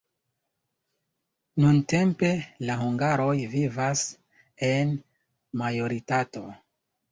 Nuntempe la hungaroj vivas en majoritato.